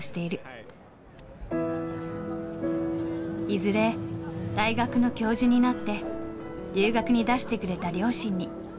いずれ大学の教授になって留学に出してくれた両親に恩返ししたいんだって。